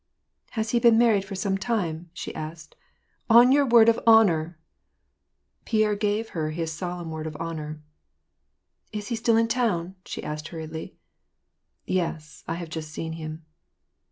" Has he been married for some time ?" she asked. " On your word of honor !" Pierre gave her his solemn word of honor. " Is he still in town ?" she asked hurriedly. " Yes : I have just seen him."